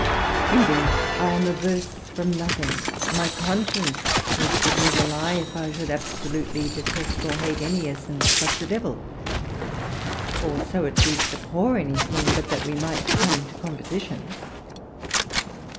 In brief, I am averse from nothing: my conscience would give me the lie if I should absolutely detest or hate any essence but the Devil; or so at least abhor anything but that we might come to composition.